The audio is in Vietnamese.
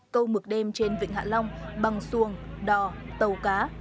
câu mực đêm trên vịnh hạ long bằng xuồng đò tàu cá